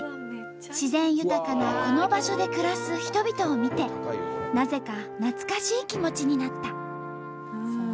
自然豊かなこの場所で暮らす人々を見てなぜか懐かしい気持ちになった。